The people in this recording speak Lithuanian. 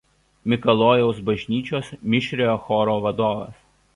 Mikalojaus bažnyčios mišriojo choro vadovas.